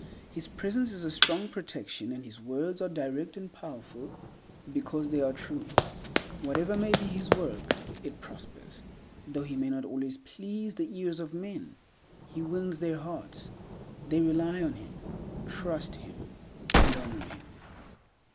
His presence is a strong protection, and his words are direct and powerful because they are true. Whatever may be his work, it prospers. Though he may not always please the ears of men, he wins their hearts; they rely on him, trust, and honor him.